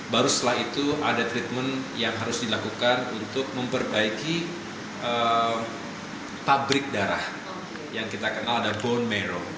baru setelah itu ada treatment yang harus dilakukan untuk memperbaiki pabrik darah yang kita kenal ada bonemairro